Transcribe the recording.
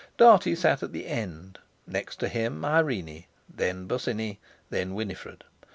Dartie sat at the end, next to him Irene, then Bosinney, then Winifred.